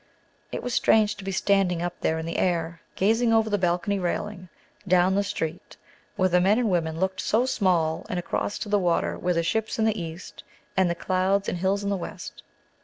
It was strange to be standing up there in the air, gazing over the balcony railing down into the street, where the men and women looked so small, and across to the water and the ships in the east, and the clouds and hills in the west!